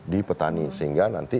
di petani sehingga nanti